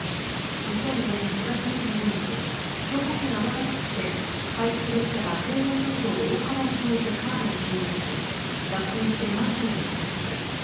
２００５年４月２５日兵庫県尼崎市で快速列車が制限速度を大幅に超えてカーブに進入し脱線したマンションに激突。